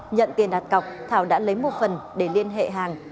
nhận tiền đặt cọc thảo đã lấy một phần để liên hệ hàng